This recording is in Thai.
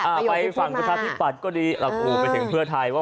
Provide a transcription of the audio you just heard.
อาไปฝั่งประชาชิบปัฉก็ดีเราเพิ่มถึงเพื่อไทยน่ะ